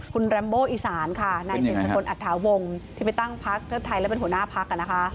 คุณแรมโบอิสานค่ะในสินสังคมอัฐาวงค์ที่ไปตั้งภักดิ์เทอดไทยและเป็นหัวหน้าภักดิ์ค่ะ